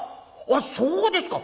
あっそうですか。